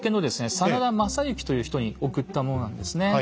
真田昌幸という人に送ったものなんですね。